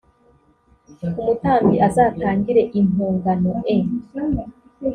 umutambyi azatangire impongano e